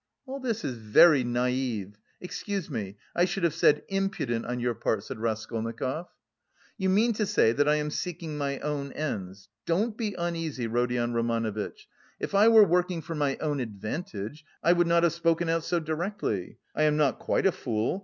"All this is very naïve... excuse me, I should have said impudent on your part," said Raskolnikov. "You mean to say that I am seeking my own ends. Don't be uneasy, Rodion Romanovitch, if I were working for my own advantage, I would not have spoken out so directly. I am not quite a fool.